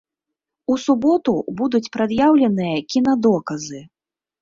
У суботу будуць прад'яўленыя кінадоказы.